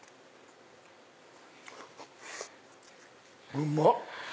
うまっ！